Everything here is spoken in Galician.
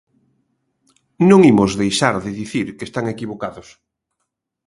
Non imos deixar de dicir que están equivocados.